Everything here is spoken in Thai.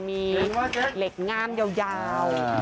มีเหล็กง่ามยาว